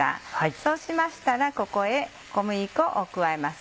そうしましたらここへ小麦粉を加えます。